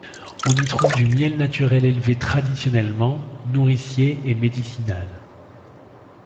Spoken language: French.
On y trouve du miel naturel élevé traditionnellement, nourricier et médicinal.